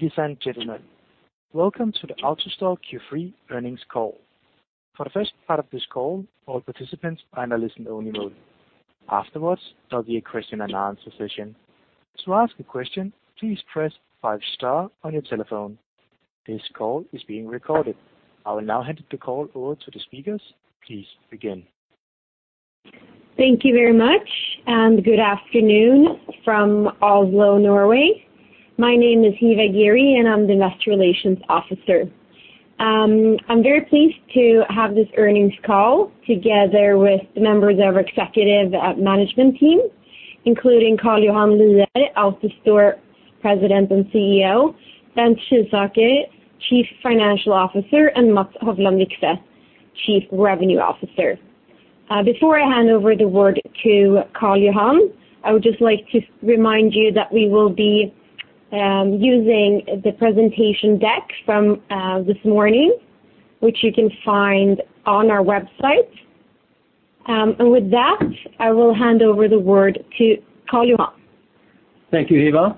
Ladies and gentlemen, welcome to the AutoStore Q3 earnings call. For the first part of this call, all participants are in a listen-only mode. Afterwards, there'll be a question-and-answer session. To ask a question, please press five star on your telephone. This call is being recorded. I will now hand the call over to the speakers. Please begin. Thank you very much, and good afternoon from Oslo, Norway. My name is Hiva Ghiri, and I'm the Investor Relations Officer. I'm very pleased to have this earnings call together with members of our executive management team, including Karl Johan Lier, AutoStore President and CEO, Bent Skisaker, Chief Financial Officer, and Mats Hovland Vikse, Chief Revenue Officer. Before I hand over the word to Karl Johan, I would just like to remind you that we will be using the presentation deck from this morning, which you can find on our website. With that, I will hand over the word to Karl Johan. Thank you, Hiva.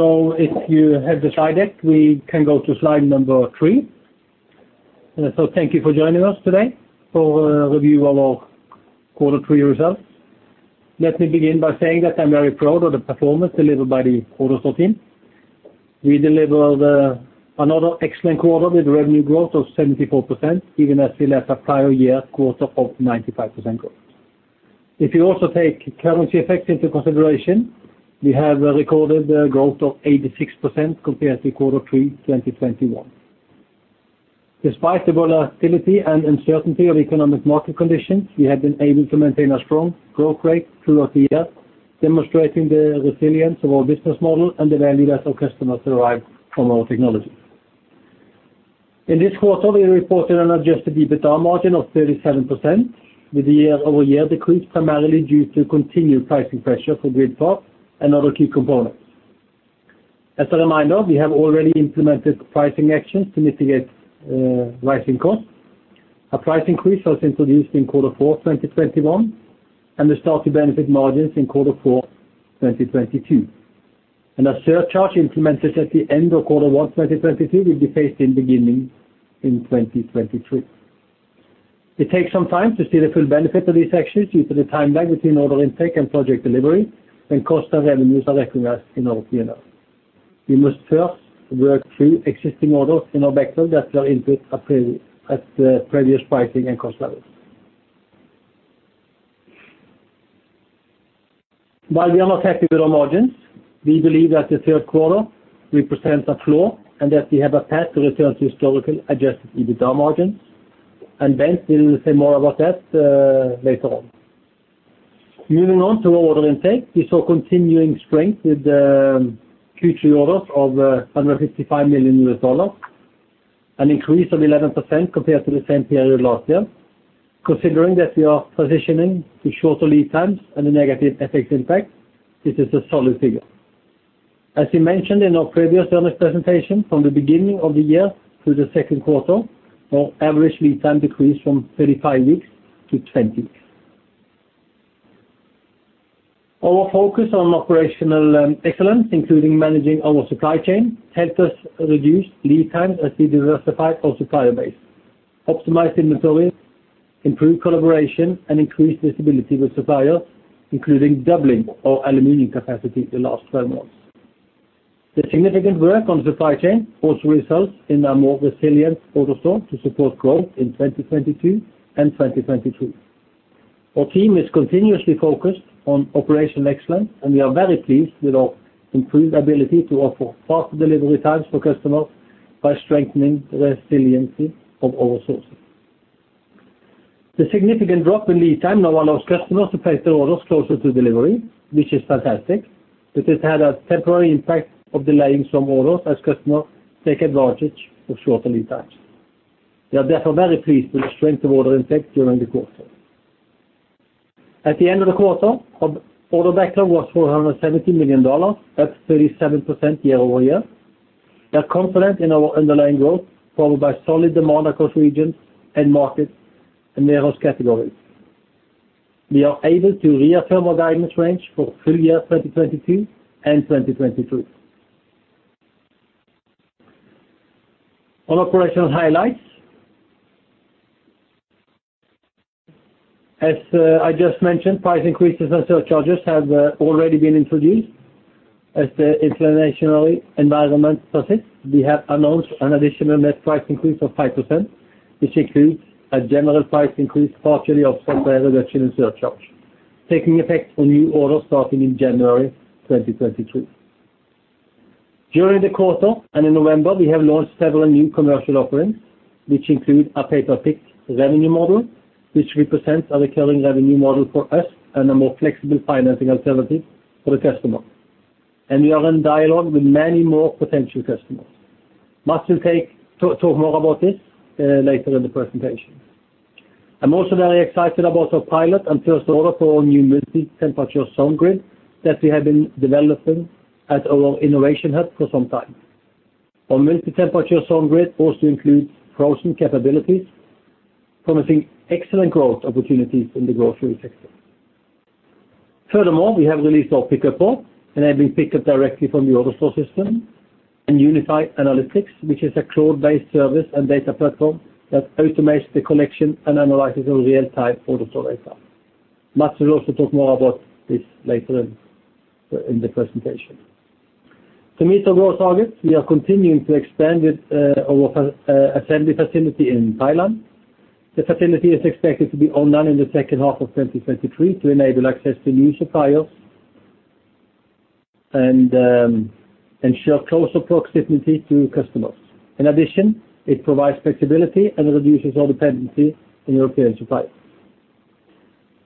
If you have the slide deck, we can go to slide number 3. Thank you for joining us today for a review of our quarter three results. Let me begin by saying that I'm very proud of the performance delivered by the AutoStore team. We delivered another excellent quarter with revenue growth of 74%, even as we had a prior year quarter of 95% growth. If you also take currency effect into consideration, we have recorded a growth of 86% compared to quarter three, 2021. Despite the volatility and uncertainty of economic market conditions, we have been able to maintain a strong growth rate throughout the year, demonstrating the resilience of our business model and the value that our customers derive from our technology. In this quarter, we reported an adjusted EBITDA margin of 37% with the year-over-year decrease primarily due to continued pricing pressure for Grid box and other key components. As a reminder, we have already implemented pricing actions to mitigate rising costs. A price increase was introduced in quarter four, 2021, and started to benefit margins in quarter four, 2022. A surcharge implemented at the end of quarter one, 2022 will be passed beginning in 2023. It takes some time to see the full benefit of these actions due to the time lag between order intake and project delivery, when costs and revenues are recognized in our P&L. We must first work through existing orders in our backlog that were input at the previous pricing and cost levels. While we are not happy with our margins, we believe that the third quarter represents a floor and that we have a path to return to historical adjusted EBITDA margins. Bent will say more about that, later on. Moving on to order intake, we saw continuing strength with Q3 orders of $155 million, an increase of 11% compared to the same period last year. Considering that we are transitioning to shorter lead times and a negative FX impact, this is a solid figure. As we mentioned in our previous earnings presentation from the beginning of the year through the second quarter, our average lead time decreased from 35 weeks to 20 weeks. Our focus on operational excellence, including managing our supply chain, helped us reduce lead times as we diversify our supplier base, optimize inventory, improve collaboration, and increase visibility with suppliers, including doubling our aluminum capacity the last 12 months. The significant work on supply chain also results in a more resilient AutoStore to support growth in 2022 and 2023. Our team is continuously focused on operational excellence, and we are very pleased with our improved ability to offer faster delivery times for customers by strengthening the resiliency of our sources. The significant drop in lead time now allows customers to place their orders closer to delivery, which is fantastic, but it had a temporary impact of delaying some orders as customers take advantage of shorter lead times. We are therefore very pleased with the strength of order intake during the quarter. At the end of the quarter, our order backlog was $470 million, up 37% year-over-year. We are confident in our underlying growth, followed by solid demand across regions and markets and various categories. We are able to reaffirm our guidance range for full year 2022 and 2023. On operational highlights. As I just mentioned, price increases and surcharges have already been introduced. As the inflationary environment persists, we have announced an additional net price increase of 5%, which includes a general price increase partially offset by a reduction in surcharge, taking effect for new orders starting in January 2023. During the quarter and in November, we have launched several new commercial offerings, which include a pay-per-pick revenue model, which represents a recurring revenue model for us and a more flexible financing alternative for the customer. We are in dialogue with many more potential customers. Mats will talk more about this later in the presentation. I'm also very excited about our pilot and first order for our new Multi-Temperature Solution that we have been developing at our innovation hub for some time. Our Multi-Temperature Solution also includes frozen capabilities, promising excellent growth opportunities in the grocery sector. Furthermore, we have released our PickUpPort, enabling pickup directly from the AutoStore system, and Unify Analytics, which is a cloud-based service and data platform that automates the connection and analysis of real-time AutoStore data. Mats will also talk more about this later in the presentation. To meet our growth targets, we are continuing to expand with our assembly facility in Thailand. The facility is expected to be online in the second half of 2023 to enable access to new suppliers and ensure closer proximity to customers. In addition, it provides flexibility and reduces our dependency on European suppliers.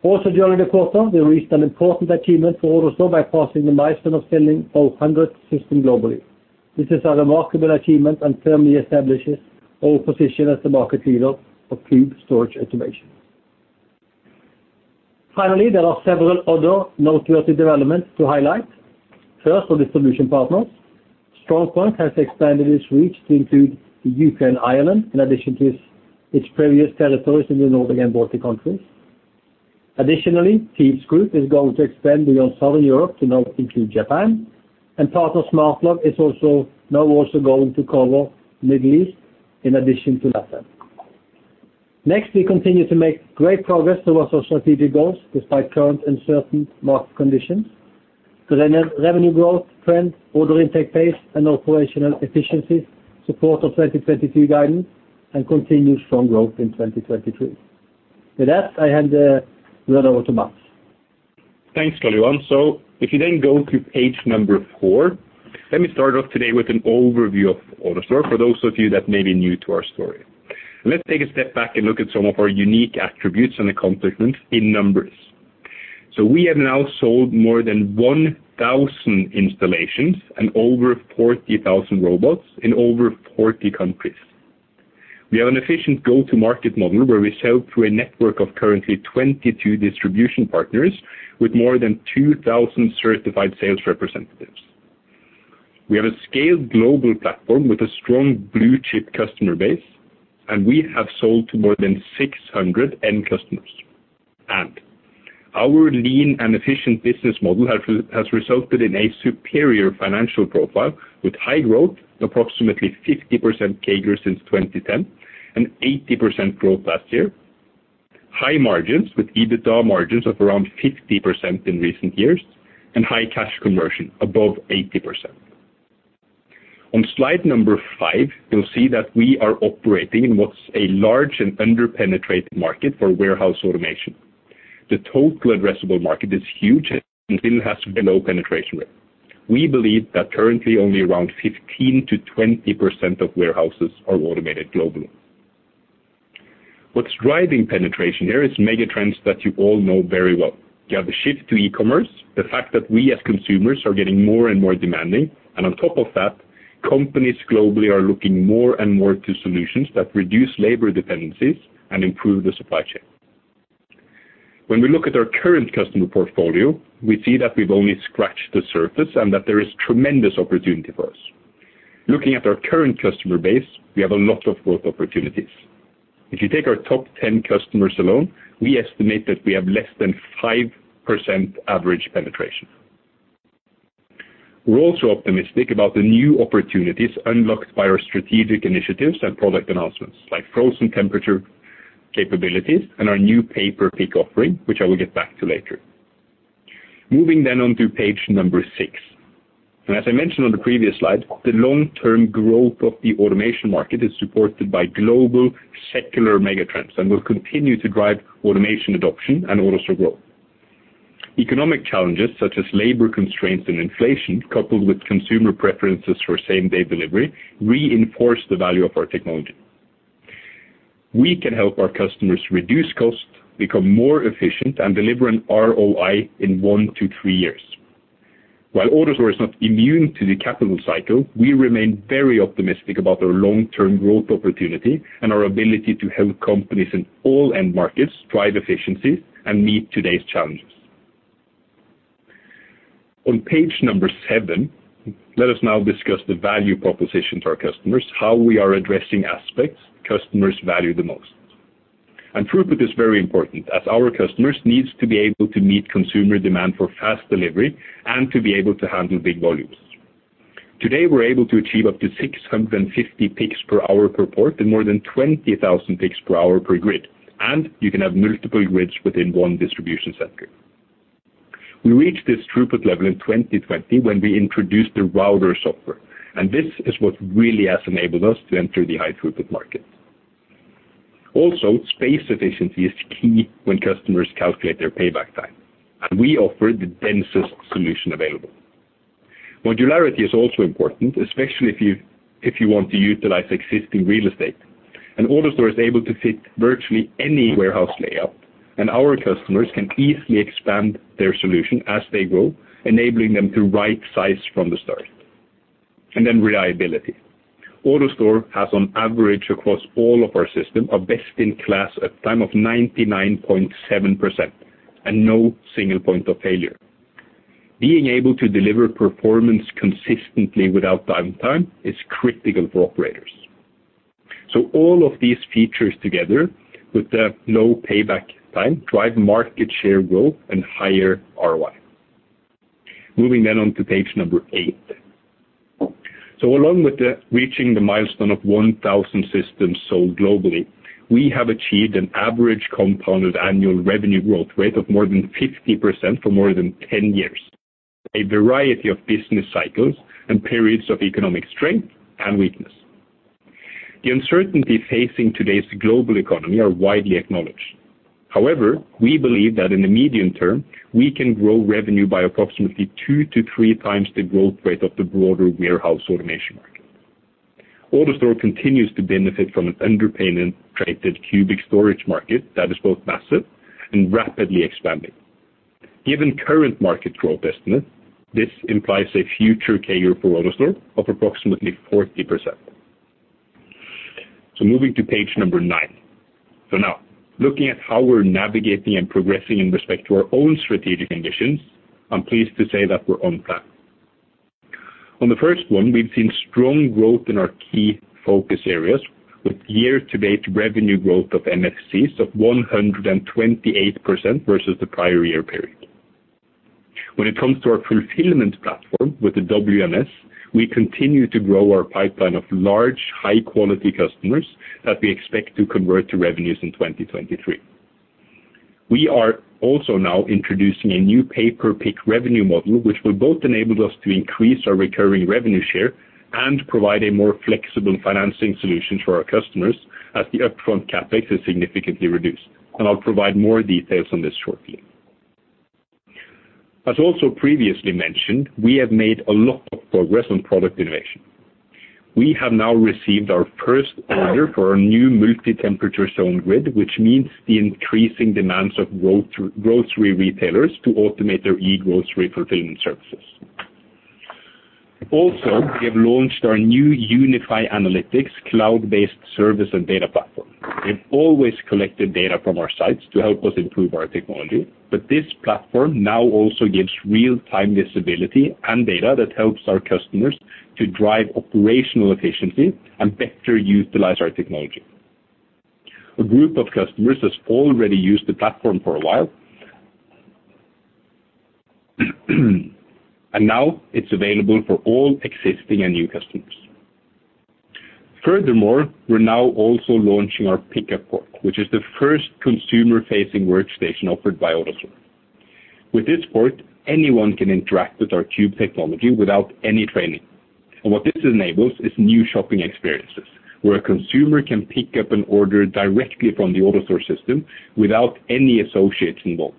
Also, during the quarter, we reached an important achievement for AutoStore by passing the milestone of selling our 100th system globally. This is a remarkable achievement and firmly establishes our position as the market leader of cube storage automation. Finally, there are several other noteworthy developments to highlight. First, our distribution partners. StrongPoint has expanded its reach to include the U.K. and Ireland, in addition to its previous territories in the Nordic and Baltic countries. Additionally, Fives Group is going to expand beyond Southern Europe to now include Japan. Part of Smartlog is also going to cover Middle East in addition to Latin America. Next, we continue to make great progress towards our strategic goals despite current uncertain market conditions. The revenue growth trend, order intake pace, and operational efficiency support our 2022 guidance and continue strong growth in 2023. With that, I hand it over to Mats. Thanks, Karl Johan Lier. If you then go to page 4, let me start off today with an overview of AutoStore for those of you that may be new to our story. Let's take a step back and look at some of our unique attributes and accomplishments in numbers. We have now sold more than 1,000 installations and over 40,000 robots in over 40 countries. We have an efficient go-to-market model, where we sell through a network of currently 22 distribution partners with more than 2,000 certified sales representatives. We have a scaled global platform with a strong blue-chip customer base, and we have sold to more than 600 end customers. Our lean and efficient business model has resulted in a superior financial profile with high growth, approximately 50% CAGR since 2010, and 80% growth last year. High margins with EBITDA margins of around 50% in recent years, and high cash conversion above 80%. On slide 5, you'll see that we are operating in what's a large and under-penetrated market for warehouse automation. The total addressable market is huge and still has a low penetration rate. We believe that currently only around 15%-20% of warehouses are automated globally. What's driving penetration here is mega trends that you all know very well. You have the shift to e-commerce, the fact that we, as consumers, are getting more and more demanding. On top of that, companies globally are looking more and more to solutions that reduce labor dependencies and improve the supply chain. When we look at our current customer portfolio, we see that we've only scratched the surface and that there is tremendous opportunity for us. Looking at our current customer base, we have a lot of growth opportunities. If you take our top 10 customers alone, we estimate that we have less than 5% average penetration. We're also optimistic about the new opportunities unlocked by our strategic initiatives and product announcements, like frozen temperature capabilities and our new paper pick offering, which I will get back to later. Moving on to page number 6. As I mentioned on the previous slide, the long-term growth of the automation market is supported by global secular megatrends and will continue to drive automation adoption and AutoStore growth. Economic challenges such as labor constraints and inflation, coupled with consumer preferences for same-day delivery, reinforce the value of our technology. We can help our customers reduce costs, become more efficient, and deliver an ROI in 1-3 years. While AutoStore is not immune to the capital cycle, we remain very optimistic about our long-term growth opportunity and our ability to help companies in all end markets drive efficiencies and meet today's challenges. On page 7, let us now discuss the value proposition to our customers, how we are addressing aspects customers value the most. Throughput is very important, as our customers needs to be able to meet consumer demand for fast delivery and to be able to handle big volumes. Today, we're able to achieve up to 650 picks per hour per port and more than 20,000 picks per hour per grid. You can have multiple grids within one distribution center. We reached this throughput level in 2020 when we introduced the Router software, and this is what really has enabled us to enter the high-throughput market. Space efficiency is key when customers calculate their payback time, and we offer the densest solution available. Modularity is also important, especially if you want to utilize existing real estate. AutoStore is able to fit virtually any warehouse layout, and our customers can easily expand their solution as they grow, enabling them to right size from the start. Reliability. AutoStore has on average across all of our system a best-in-class uptime of 99.7% and no single point of failure. Being able to deliver performance consistently without downtime is critical for operators. All of these features together with the low payback time drive market share growth and higher ROI. Moving on to page 8. Along with the reaching the milestone of 1,000 systems sold globally, we have achieved an average compounded annual revenue growth rate of more than 50% for more than 10 years, a variety of business cycles and periods of economic strength and weakness. The uncertainty facing today's global economy are widely acknowledged. However, we believe that in the medium term, we can grow revenue by approximately 2x-3x the growth rate of the broader warehouse automation market. AutoStore continues to benefit from an underpenetrated cube storage market that is both massive and rapidly expanding. Given current market growth estimates, this implies a future CAGR for AutoStore of approximately 40%. Moving to page 9. Now looking at how we're navigating and progressing in respect to our own strategic ambitions, I'm pleased to say that we're on plan. On the first one, we've seen strong growth in our key focus areas with year-to-date revenue growth of MFCs of 128% versus the prior year period. When it comes to our fulfillment platform with the WMS, we continue to grow our pipeline of large, high-quality customers that we expect to convert to revenues in 2023. We are also now introducing a new pay-per-pick revenue model, which will both enable us to increase our recurring revenue share and provide a more flexible financing solution for our customers as the upfront CapEx is significantly reduced. I'll provide more details on this shortly. As also previously mentioned, we have made a lot of progress on product innovation. We have now received our first order for our new multi-temperature zone Grid, which means the increasing demands of grocery retailers to automate their e-grocery fulfillment services. Also, we have launched our new Unify Analytics cloud-based service and data platform. We've always collected data from our sites to help us improve our technology, but this platform now also gives real-time visibility and data that helps our customers to drive operational efficiency and better utilize our technology. A group of customers has already used the platform for a while. Now it's available for all existing and new customers. Furthermore, we're now also launching our PickUpPort, which is the first consumer-facing workstation offered by AutoStore. With this port, anyone can interact with our cube technology without any training. What this enables is new shopping experiences, where a consumer can pick up an order directly from the AutoStore system without any associates involved.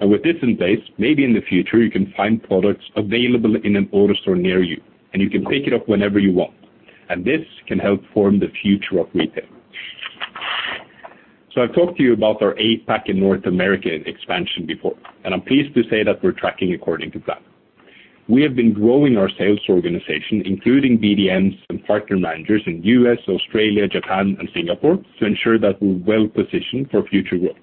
With this in place, maybe in the future, you can find products available in an AutoStore near you, and you can pick it up whenever you want. This can help form the future of retail. I've talked to you about our APAC and North American expansion before, and I'm pleased to say that we're tracking according to plan. We have been growing our sales organization, including BDMs and partner managers in U.S., Australia, Japan, and Singapore, to ensure that we're well-positioned for future growth.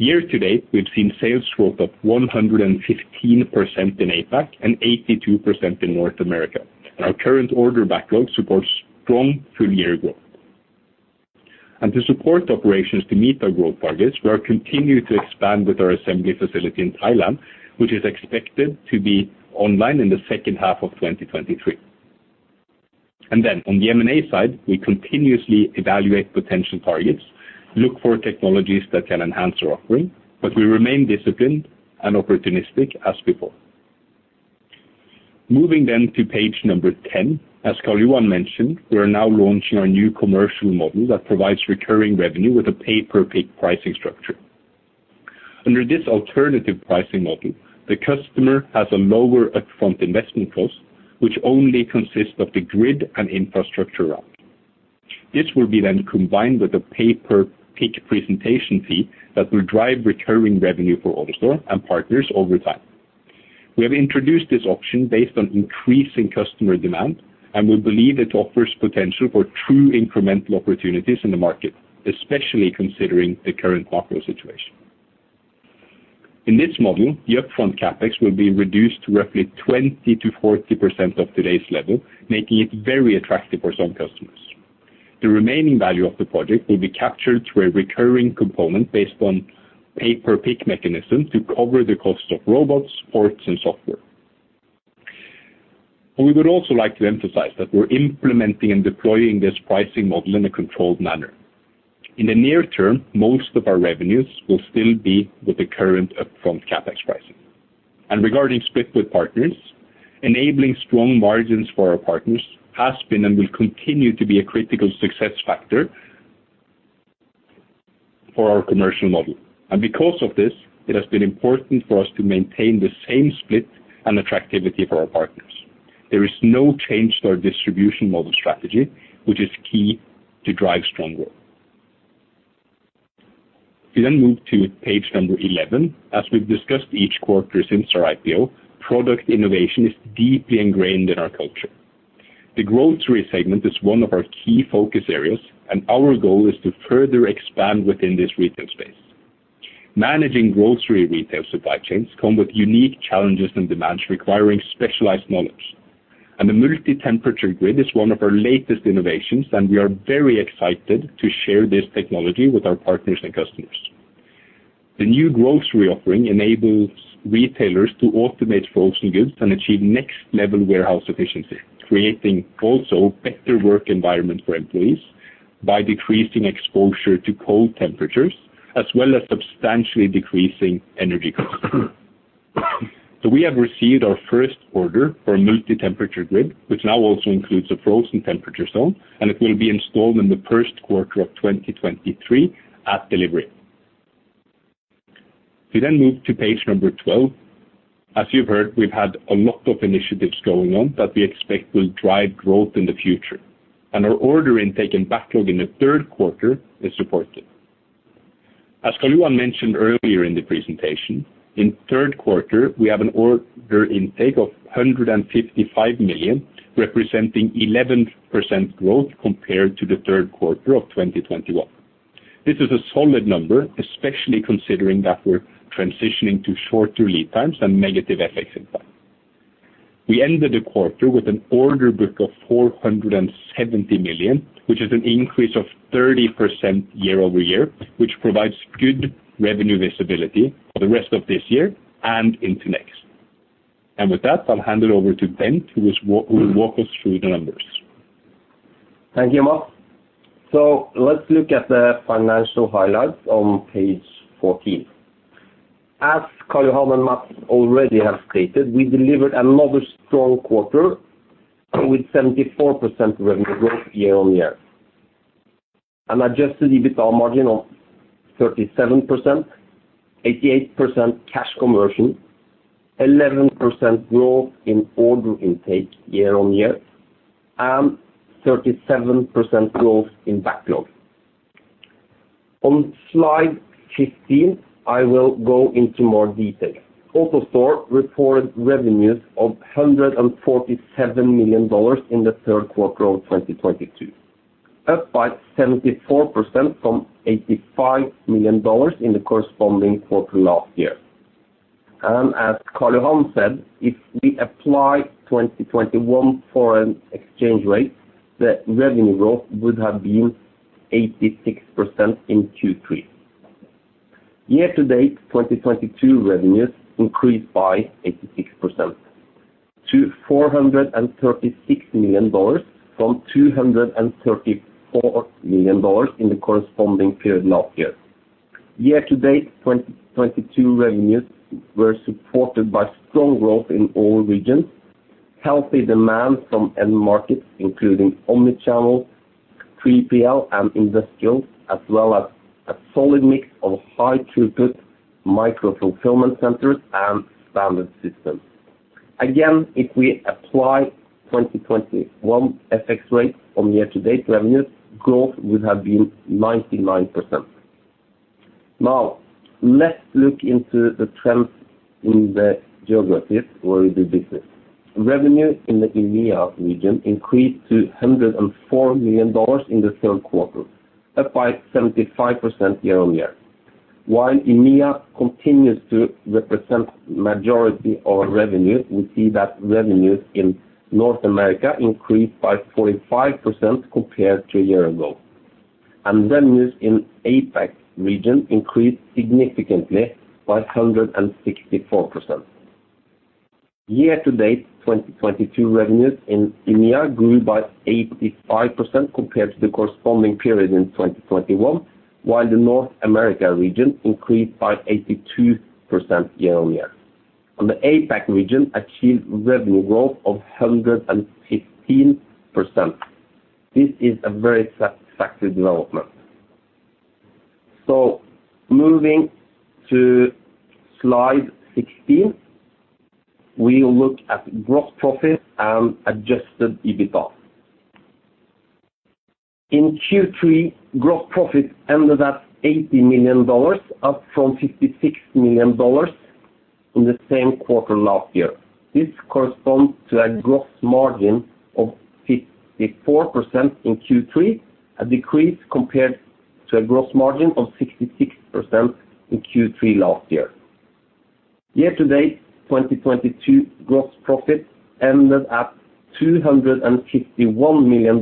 Year-to-date, we've seen sales growth of 115% in APAC and 82% in North America. Our current order backlog supports strong full-year growth. To support operations to meet our growth targets, we are continuing to expand with our assembly facility in Thailand, which is expected to be online in the second half of 2023. On the M&A side, we continuously evaluate potential targets, look for technologies that can enhance our offering, but we remain disciplined and opportunistic as before. Moving then to page 10. As Karl Johan mentioned, we are now launching our new commercial model that provides recurring revenue with a pay-per-pick pricing structure. Under this alternative pricing model, the customer has a lower upfront investment cost, which only consists of the Grid and infrastructure rack. This will be then combined with a pay-per-pick presentation fee that will drive recurring revenue for AutoStore and partners over time. We have introduced this option based on increasing customer demand, and we believe it offers potential for true incremental opportunities in the market, especially considering the current macro situation. In this model, the upfront CapEx will be reduced to roughly 20%-40% of today's level, making it very attractive for some customers. The remaining value of the project will be captured through a recurring component based on pay-per-pick mechanism to cover the cost of robots, ports, and software. We would also like to emphasize that we're implementing and deploying this pricing model in a controlled manner. In the near term, most of our revenues will still be with the current upfront CapEx pricing. Regarding split with partners, enabling strong margins for our partners has been and will continue to be a critical success factor for our commercial model. Because of this, it has been important for us to maintain the same split and attractiveness for our partners. There is no change to our distribution model strategy, which is key to drive strong growth. We then move to page 11. As we've discussed each quarter since our IPO, product innovation is deeply ingrained in our culture. The grocery segment is one of our key focus areas, and our goal is to further expand within this retail space. Managing grocery retail supply chains come with unique challenges and demands requiring specialized knowledge. The multi-temperature grid is one of our latest innovations, and we are very excited to share this technology with our partners and customers. The new grocery offering enables retailers to automate frozen goods and achieve next level warehouse efficiency, creating also better work environment for employees by decreasing exposure to cold temperatures, as well as substantially decreasing energy costs. We have received our first order for a multi-temperature grid, which now also includes a frozen temperature zone, and it will be installed in the first quarter of 2023 at delivery. We move to page 12. As you've heard, we've had a lot of initiatives going on that we expect will drive growth in the future, and our order intake and backlog in the third quarter is supportive. As Karl Johan mentioned earlier in the presentation, in third quarter, we have an order intake of $155 million, representing 11% growth compared to the third quarter of 2021. This is a solid number, especially considering that we're transitioning to shorter lead times and negative FX impact. We ended the quarter with an order book of 470 million, which is an increase of 30% year-over-year, which provides good revenue visibility for the rest of this year and into next. With that, I'll hand it over to Bent, who will walk us through the numbers. Thank you, Mats. Let's look at the financial highlights on page 14. As Karl Johan and Mats already have stated, we delivered another strong quarter with 74% revenue growth year-on-year. An adjusted EBITDA margin of 37%, 88% cash conversion, 11% growth in order intake year-on-year, and 37% growth in backlog. On slide 15, I will go into more detail. AutoStore reported revenues of $147 million in the third quarter of 2022, up by 74% from $85 million in the corresponding quarter last year. As Karl Johan said, if we apply 2021 foreign exchange rates, the revenue growth would have been 86% in Q3. Year-to-date, 2022 revenues increased by 86% to $436 million from $234 million in the corresponding period last year. Year-to-date, 2022 revenues were supported by strong growth in all regions, healthy demand from end markets, including omni-channel, 3PL, and industrial, as well as a solid mix of high throughput micro-fulfillment centers and standard systems. Again, if we apply 2021 FX rates on year-to-date revenues, growth would have been 99%. Now, let's look into the trends in the geographies where we do business. Revenue in the EMEA region increased to $104 million in the third quarter, up by 75% year-on-year. While EMEA continues to represent majority of our revenue, we see that revenues in North America increased by 45% compared to a year ago. Revenues in APAC region increased significantly, by 164%. Year-to-date, 2022 revenues in EMEA grew by 85% compared to the corresponding period in 2021, while the North America region increased by 82% year-over-year. The APAC region achieved revenue growth of 115%. This is a very satisfactory development. Moving to slide 16, we look at gross profit and adjusted EBITDA. In Q3, gross profit ended at $80 million, up from $56 million in the same quarter last year. This corresponds to a gross margin of 54% in Q3, a decrease compared to a gross margin of 66% in Q3 last year. Year-to-date, 2022 gross profit ended at $261 million,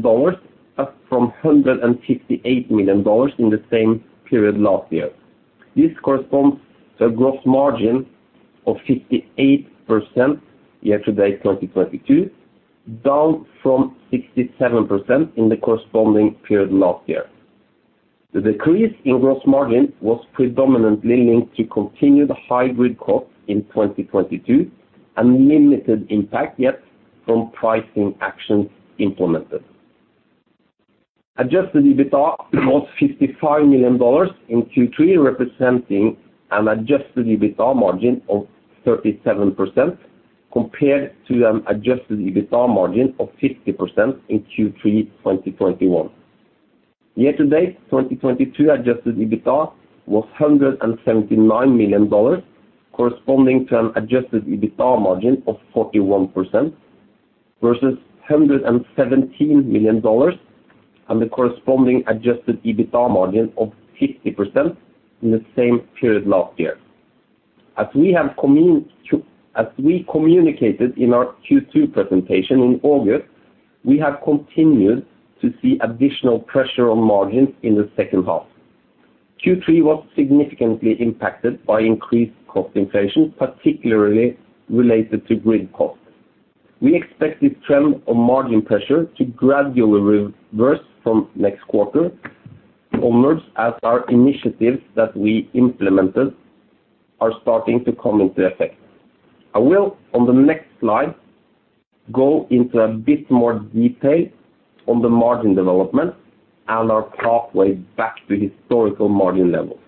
up from $158 million in the same period last year. This corresponds to a gross margin of 58% year-to-date, 2022, down from 67% in the corresponding period last year. The decrease in gross margin was predominantly linked to continued high Grid costs in 2022 and limited impact yet from pricing actions implemented. Adjusted EBITDA was $55 million in Q3, representing an adjusted EBITDA margin of 37% compared to an adjusted EBITDA margin of 50% in Q3, 2021. Year-to-date, 2022 adjusted EBITDA was $179 million, corresponding to an adjusted EBITDA margin of 41% versus $117 million and the corresponding adjusted EBITDA margin of 50% in the same period last year. As we communicated in our Q2 presentation in August, we have continued to see additional pressure on margins in the second half. Q3 was significantly impacted by increased cost inflation, particularly related to grid costs. We expect this trend of margin pressure to gradually reverse from next quarter onwards as our initiatives that we implemented are starting to come into effect. I will, on the next slide, go into a bit more detail on the margin development and our pathway back to historical margin levels.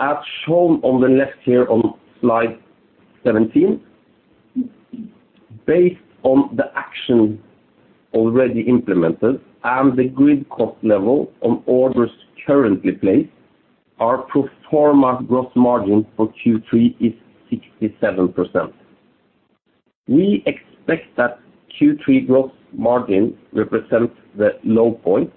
As shown on the left here on slide 17, based on the action already implemented and the grid cost level on orders currently placed, our pro forma gross margin for Q3 is 67%. We expect that Q3 gross margin represents the low point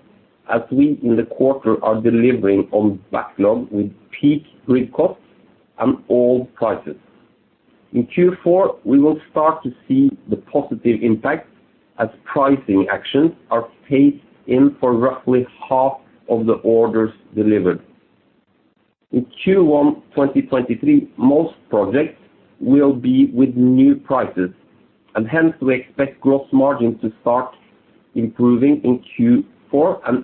as we in the quarter are delivering on backlog with peak grid costs and old prices. In Q4, we will start to see the positive impact as pricing actions are phased in for roughly half of the orders delivered. In Q1 2023, most projects will be with new prices, and hence we expect gross margin to start improving in Q4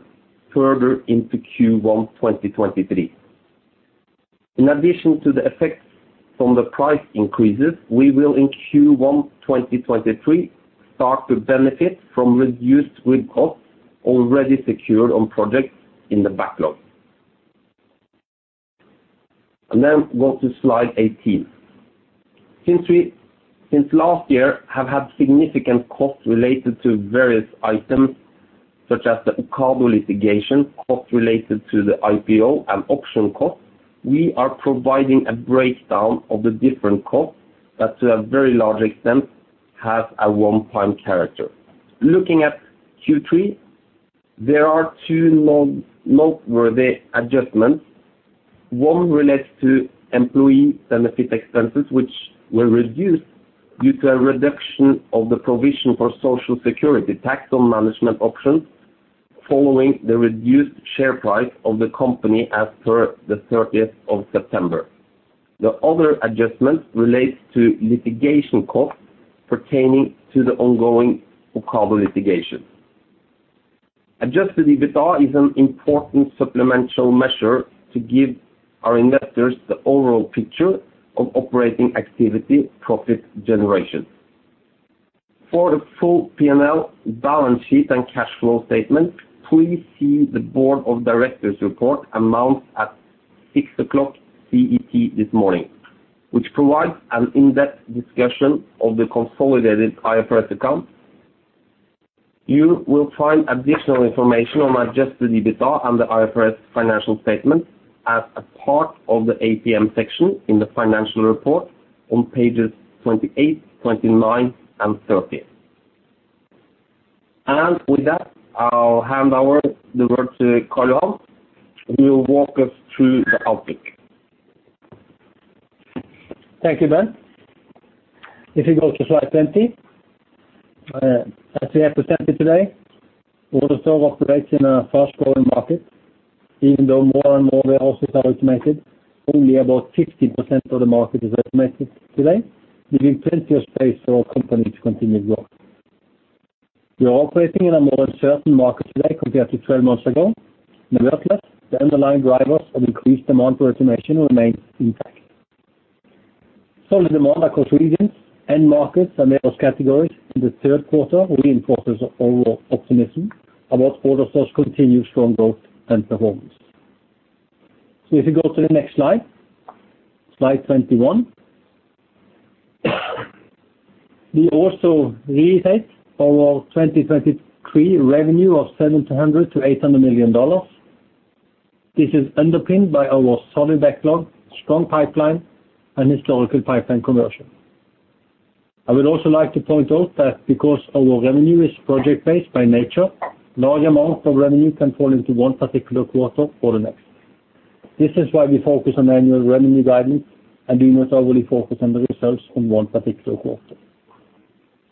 and further into Q1 2023. In addition to the effects from the price increases, we will in Q1 2023, start to benefit from reduced grid costs already secured on projects in the backlog. Go to slide 18. Since last year we have had significant costs related to various items, such as the Ocado litigation, costs related to the IPO, and acquisition costs, we are providing a breakdown of the different costs that to a very large extent have a one-time character. Looking at Q3, there are two noteworthy adjustments. One relates to employee benefit expenses, which were reduced due to a reduction of the provision for Social Security tax on management options following the reduced share price of the company as per the thirtieth of September. The other adjustment relates to litigation costs pertaining to the ongoing Ocado litigation. Adjusted EBITDA is an important supplemental measure to give our investors the overall picture of operating activity profit generation. For the full P&L balance sheet and cash flow statement, please see the Board of Directors report announced at 6:00 CET this morning, which provides an in-depth discussion of the consolidated IFRS accounts. You will find additional information on adjusted EBITDA and the IFRS financial statement as a part of the APM section in the financial report on pages 28, 29 and 30. With that, I'll hand over the word to Karl Johan Lier, who will walk us through the outlook. Thank you, Bent. If you go to slide 20, as we have presented today, AutoStore operates in a fast-growing market. Even though more and more warehouses are automated, only about 15% of the market is automated today, leaving plenty of space for our company to continue growth. We are operating in a more uncertain market today compared to 12 months ago. Nevertheless, the underlying drivers of increased demand for automation remains intact. Solid demand across regions, end markets, and warehouse categories in the third quarter reinforces our overall optimism about AutoStore's continued strong growth and performance. If you go to the next slide 21, we also reiterate our 2023 revenue of $700 million-$800 million. This is underpinned by our solid backlog, strong pipeline, and historical pipeline conversion. I would also like to point out that because our revenue is project-based by nature, large amounts of revenue can fall into one particular quarter or the next. This is why we focus on annual revenue guidance, and we must overly focus on the results from one particular quarter.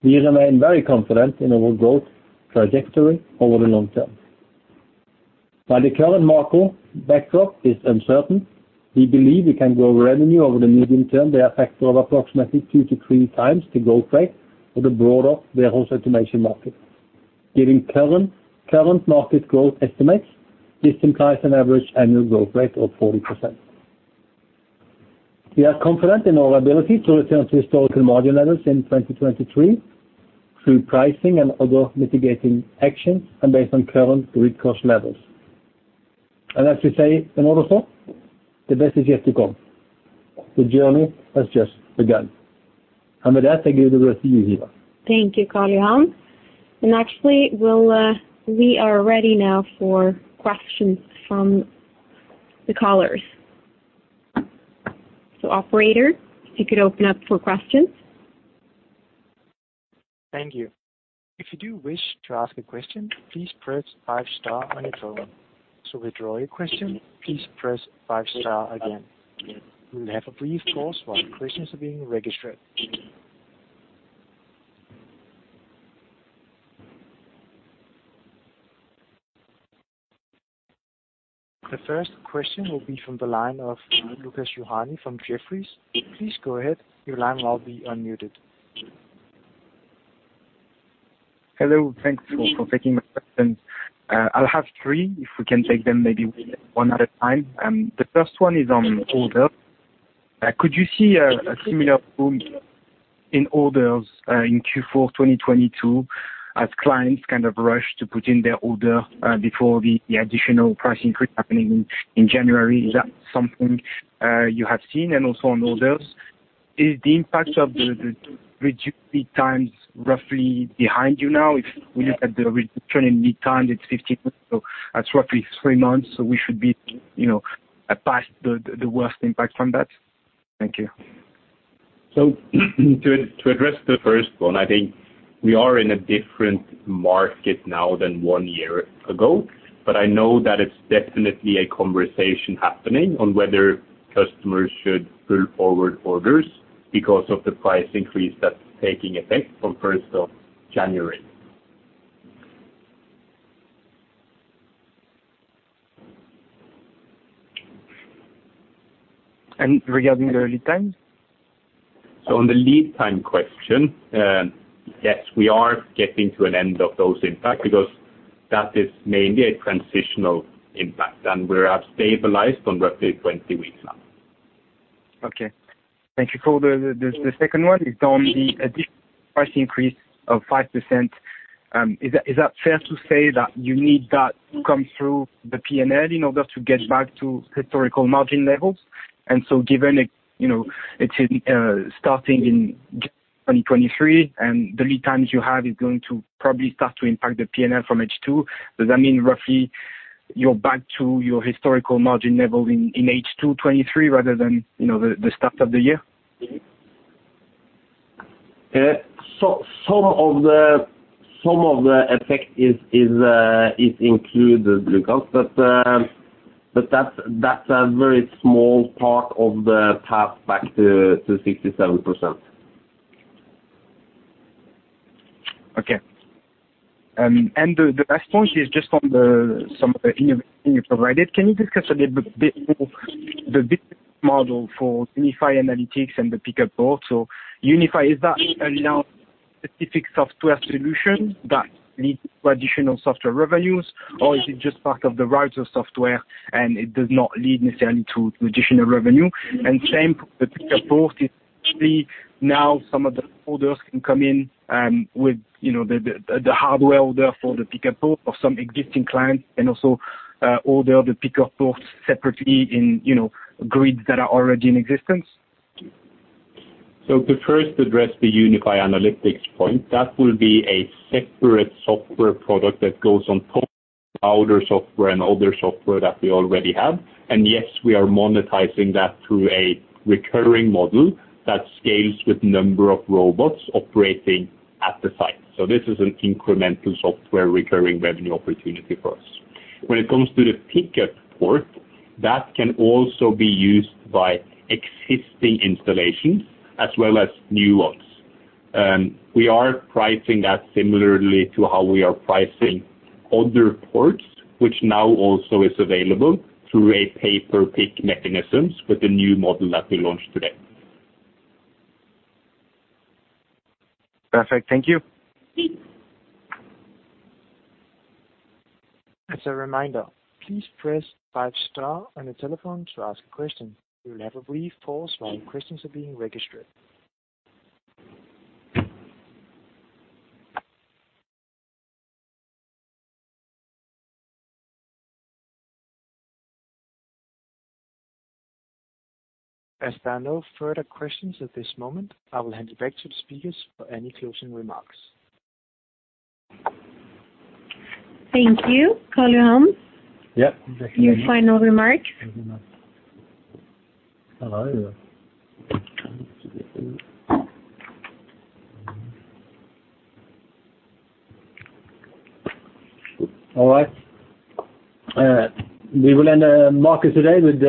We remain very confident in our growth trajectory over the long term. While the current market backdrop is uncertain, we believe we can grow revenue over the medium term by a factor of approximately 2x-3x the growth rate of the broader warehouse automation market. Given current market growth estimates, this implies an average annual growth rate of 40%. We are confident in our ability to return to historical margin levels in 2023 through pricing and other mitigating actions and based on current Grid cost levels. As we say in AutoStore, the best is yet to come. The journey has just begun. With that, I give the word to you, Hiva Ghiri. Thank you, Karl Johan. Actually, we are ready now for questions from the callers. Operator, if you could open up for questions. Thank you. If you do wish to ask a question, please press five star on your phone. To withdraw your question, please press five star again. We'll have a brief pause while questions are being registered. The first question will be from the line of Lukas Johansen from Jefferies. Please go ahead. Your line will now be unmuted. Hello. Thank you for taking my questions. I'll have three, if we can take them maybe one at a time. The first one is on orders. Could you see a similar boom in orders in Q4 2022 as clients kind of rush to put in their order before the additional price increase happening in January? Is that something you have seen? Also on orders, is the impact of the reduced lead times roughly behind you now? If we look at the reduction in lead time, it's 15 weeks, so that's roughly three months, so we should be, you know, past the worst impact from that. Thank you. To address the first one, I think we are in a different market now than one year ago. I know that it's definitely a conversation happening on whether customers should pull forward orders because of the price increase that's taking effect from first of January. Regarding the lead times? On the lead time question, yes, we are getting to an end of those impact because that is mainly a transitional impact and we are stabilized on roughly 20 weeks now. Okay. Thank you. For the second one is on the additional price increase of 5%. Is that fair to say that you need that to come through the P&L in order to get back to historical margin levels? Given it, you know, it's starting in 2023 and the lead times you have is going to probably start to impact the P&L from H2, does that mean roughly you're back to your historical margin level in H2 2023 rather than, you know, the start of the year? Some of the effect is included, Lukas, but that's a very small part of the path back to 67%. The last one is just on some of the info you provided. Can you discuss a little bit more the business model for Unify Analytics and the PickUpPort? Unify, is that now a specific software solution that leads to additional software revenues or is it just part of the Router software and it does not lead necessarily to additional revenue? Same for the PickUpPort. Is it actually now some of the orders can come in with you know the hardware order for the PickUpPort of some existing clients and also order the PickUpPorts separately in you know grids that are already in existence? To first address the Unify Analytics point, that will be a separate software product that goes on top of our older software that we already have. Yes, we are monetizing that through a recurring model that scales with number of robots operating at the site. This is an incremental software recurring revenue opportunity for us. When it comes to the PickUpPort, that can also be used by existing installations as well as new ones. We are pricing that similarly to how we are pricing other ports, which now also is available through a pay-per-pick mechanism with the new model that we launched today. Perfect. Thank you. As a reminder, please press five star on your telephone to ask a question. We will have a brief pause while questions are being registered. As there are no further questions at this moment, I will hand it back to the speakers for any closing remarks. Thank you. Karl Johan Lier. Yeah. Your final remark. Hello. All right. We will end the remark today with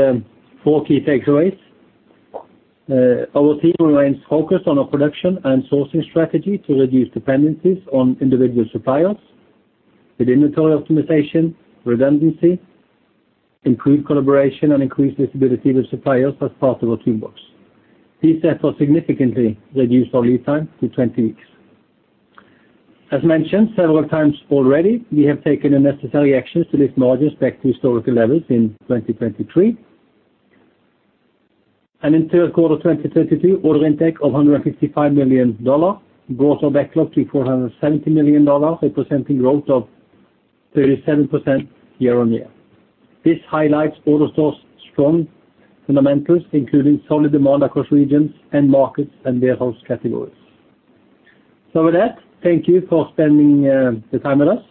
four key takeaways. Our team remains focused on our production and sourcing strategy to reduce dependencies on individual suppliers. With inventory optimization, redundancy, improved collaboration, and increased visibility with suppliers as part of our toolbox. These steps have significantly reduced our lead time to 20 weeks. As mentioned several times already, we have taken the necessary actions to lift margins back to historical levels in 2023. In third quarter 2023, order intake of $155 million brought our backlog to $470 million, a 37% growth year-on-year. This highlights AutoStore's strong fundamentals, including solid demand across regions and markets and warehouse categories. With that, thank you for spending the time with us.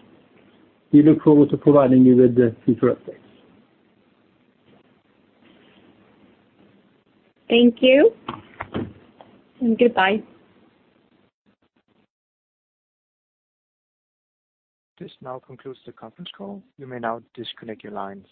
We look forward to providing you with the future updates. Thank you and goodbye. This now concludes the conference call. You may now disconnect your lines.